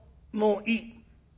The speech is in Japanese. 「もういい」。